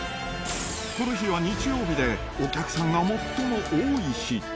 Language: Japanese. この日は日曜日で、お客さんが最も多い日。